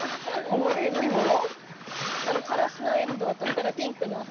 このカラスノエンドウとほらピンクのお花。